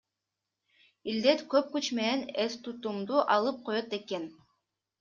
Илдет көп күч менен эстутумду алып коёт экен.